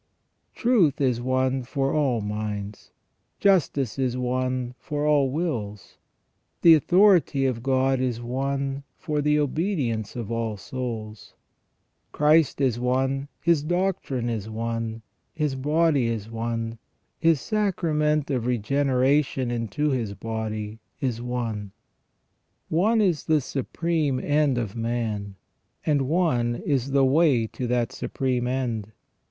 Truth is one for all minds, justice is one for all wills, the authority of God is one for the obedience of all souls ; Christ is one, His doctrine is one, His body is one, His sacrament of regeneration into His body is one. One is the supreme end of man, and one is the way to that supreme end.